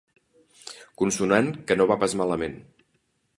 Consonant que no va pas malament.